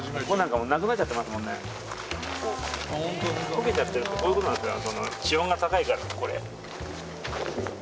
溶けちゃってるってこういう事なんですよ。